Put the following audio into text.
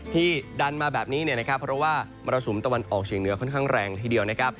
ที่ดันมาแบบนี้เนี่ยนะครับเพราะว่ามรสุมตะวันออกเฉียงเหนือค่อนข้างแรงละทีเดียวนะครับ